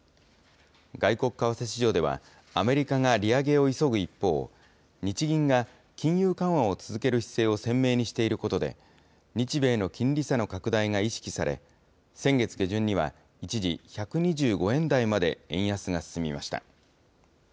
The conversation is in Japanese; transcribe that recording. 外国為替市場では、アメリカが利上げを急ぐ一方、日銀が金融緩和を続ける姿勢を鮮明にしていることで、日米の金利差の拡大が意識され、先月下旬には、一時１２５円台まで円安が進みました。